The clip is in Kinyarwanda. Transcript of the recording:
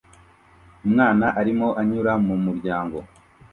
Umwana arimo anyura mu muryango